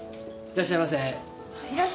いらっしゃいませ。